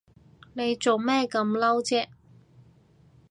你做咩咁嬲啫？